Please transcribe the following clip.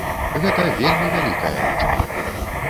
Гэта вельмі вялікая лічба.